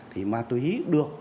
thì ma túy được